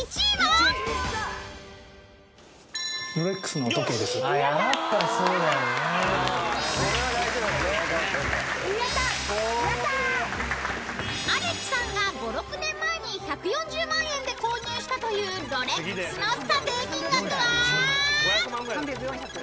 ［アレクさんが５６年前に１４０万円で購入したというロレックスの査定金額は？］